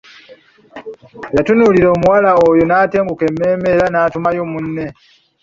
Yatunuulira omuwala oyo n'atenguka emmeeme era n'atumayo munne.